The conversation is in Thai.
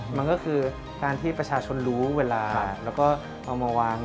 มันก็คือการที่ประชาชนรู้เวลาแล้วก็เอามาวาง